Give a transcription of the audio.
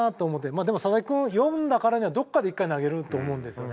でも佐々木君を呼んだからにはどこかで一回投げると思うんですよね。